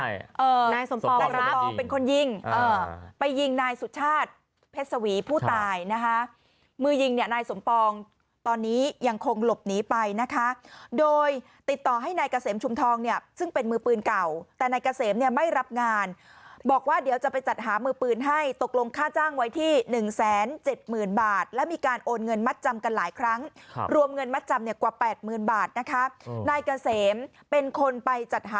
นายสมปองเป็นคนยิงไปยิงนายสุชาติเพชรสวีผู้ตายนะคะมือยิงเนี่ยนายสมปองตอนนี้ยังคงหลบหนีไปนะคะโดยติดต่อให้นายกะเสมชุมทองเนี่ยซึ่งเป็นมือปืนเก่าแต่นายกะเสมเนี่ยไม่รับงานบอกว่าเดี๋ยวจะไปจัดหามือปืนให้ตกลงค่าจ้างไว้ที่๑๗๐๐๐๐บาทแล้วมีการโอนเงินมัดจำกันหลายครั้งรวมเงินมัดจำกว่า๘๐